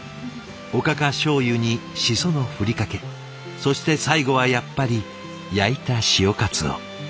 おかかしょうゆにシソのふりかけそして最後はやっぱり焼いた潮かつお。